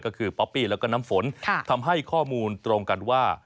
ก็คือป๊อปปี้แล้วก็น้ำฝนทำให้ข้อมูลตรงกันว่า